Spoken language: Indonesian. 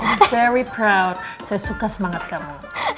i'm very proud saya suka semangat kamu